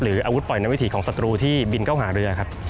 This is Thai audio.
อาวุธปล่อยในวิถีของศัตรูที่บินเข้าหาเรือครับ